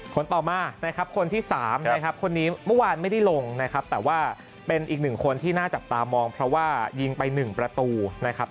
คนต่อมานะครับคนที่๓นะครับคนนี้เมื่อวานไม่ได้ลงนะครับแต่ว่าเป็นอีกหนึ่งคนที่น่าจับตามองเพราะว่ายิงไป๑ประตูนะครับ